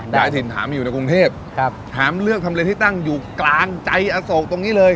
ยายถิ่นถามอยู่ในกรุงเทพแถมเลือกทำเลที่ตั้งอยู่กลางใจอโศกตรงนี้เลย